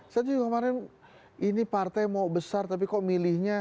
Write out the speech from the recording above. saya juga kemarin ini partai mau besar tapi kok milihnya